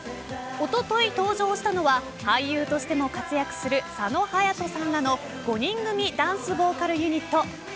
おととい登場したのは俳優としても活躍する佐野勇斗さんの５人組ダンスボーカルユニットＭ！